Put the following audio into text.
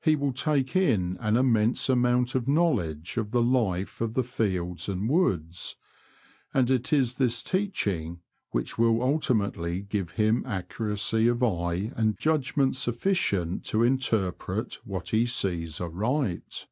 He will take in an immense amount of knowledge of the life of the fields and woods ; and it is this teaching which will ultimately give him accuracy of eye and judg ment sufficient to interpret what he sees aright.